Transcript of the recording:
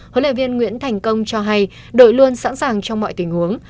huấn luyện viên nguyễn thành công cho hay đội luôn sẵn sàng trong mọi tình huống